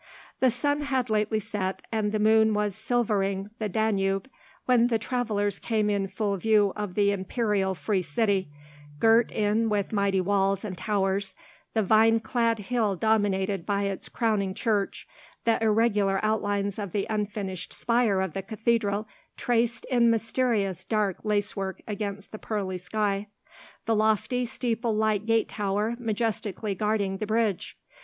The sun had lately set, and the moon was silvering the Danube, when the travellers came full in view of the imperial free city, girt in with mighty walls and towers—the vine clad hill dominated by its crowning church; the irregular outlines of the unfinished spire of the cathedral traced in mysterious dark lacework against the pearly sky; the lofty steeple like gate tower majestically guarding the bridge.